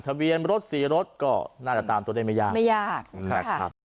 ทะเบียนรถสี่รถก็น่าจะตามตัวได้ไม่ยากไม่ยากนะครับ